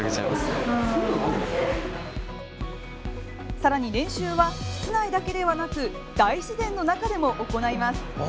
さらに、練習は室内だけではなく大自然の中でも行います。